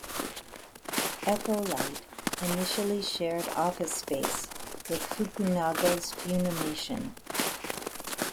EchoLight initially shared office space with Fukunaga's Funimation.